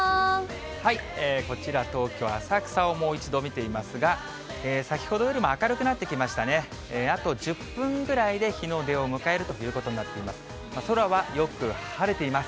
こちら、東京・浅草をもう一度見ていますが、先ほどよりも明るくなってきましたね、あと１０分ぐらいで日の出を迎えるということになっています。